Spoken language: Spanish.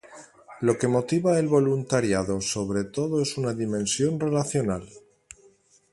Lo que motiva el voluntariado sobre todo es una dimensión relacional.